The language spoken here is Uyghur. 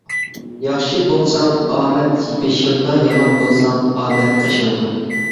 ياخشى بولساڭ ئامەت بېشىڭدا، يامان بولساڭ ئامەت قېشىڭدا.